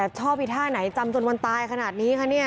ชอบอีท่าไหนจำจนวันตายขนาดนี้คะเนี่ย